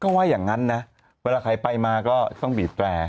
เขาว่าอย่างนั้นนะเวลาใครไปมาก็ต้องบีบแตร่